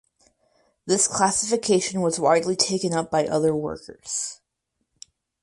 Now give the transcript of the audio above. This classification was widely taken up by other workers.